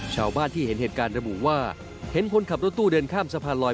ชาวบ้านที่เห็นเหตุการณ์ระบุว่าเห็นคนขับรถตู้เดินข้ามสะพานลอย